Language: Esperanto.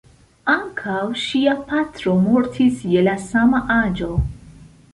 Ankaŭ ŝia patro mortis je la sama aĝo.